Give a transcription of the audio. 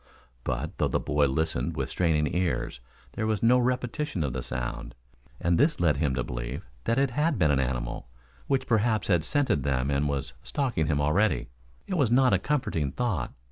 But, though the boy listened with straining ears, there was no repetition of the sound and this led him to believe that it had been an animal, which perhaps had scented them and was stalking him already. It was not a comforting thought.